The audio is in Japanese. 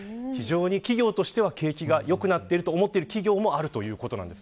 企業としては景気が良くなっていると思っている企業もあるということです